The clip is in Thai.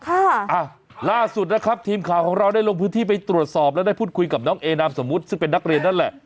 ค่ะอ่ะล่าสุดนะครับทีมข่าวของเราได้ลงพื้นที่ไปตรวจสอบและได้พูดคุยกับน้องเอนามสมมุติซึ่งเป็นนักเรียนนั่นแหละ